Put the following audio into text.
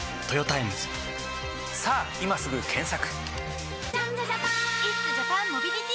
さぁ今すぐ検索！